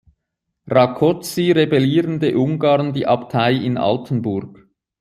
Rákóczi rebellierende Ungarn die Abtei in Altenburg.